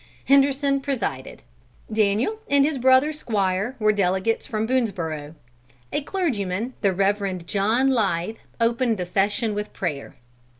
Henderson presided. Daniel and his brother Squire were delegates from Boonesborough. A clergyman, the Reverend John Leythe, opened the session with prayer.